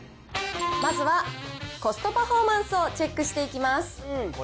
まずはコストパフォーマンスをチェックしていきます。